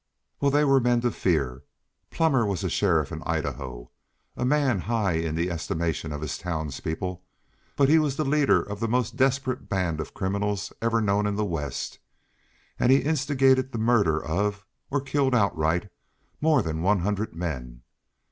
"Well, they were men to fear. Plummer was a sheriff in Idaho, a man high in the estimation of his townspeople, but he was the leader of the most desperate band of criminals ever known in the West; and he instigated the murder of, or killed outright, more than one hundred men.